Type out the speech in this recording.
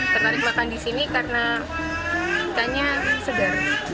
ternyata di sini karena ikannya segar